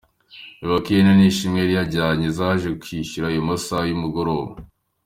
Bivugwa ko ihene Nishimwe yari yajyanye zaje kwicyura mu masaha y’umugoroba.